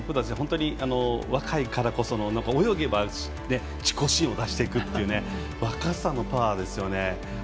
若いからこそ泳げば自己新を出していくという若さのパワーですよね。